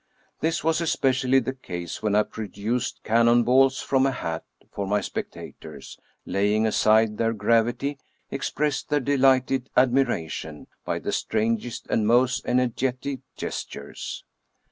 This was especially the case when I produced cannon balls from a hat, for my spectators, laying aside their grav ity, expressed their delighted admiration by the strangest and most energetic gestures.